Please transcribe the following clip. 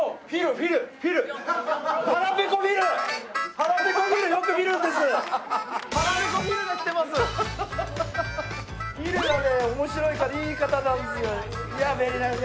フィルがね面白いいい方なんですよ。